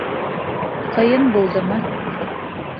Ҡыйын булдымы?